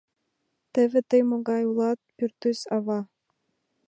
Теве тый могай улат, пӱртӱс-ава!